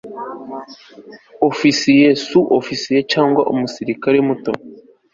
ofisiye su ofisiye cyangwa umusirikare muto